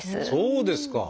そうですか。